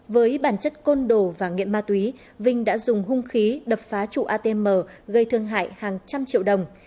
với bản chất côn đồ và nghiện ma túy vinh đã dùng hung khí đập phá trụ atm gây thương hại hàng trăm triệu đồng